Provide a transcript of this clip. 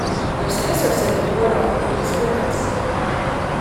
Their sticks are said to ward off evil spirits.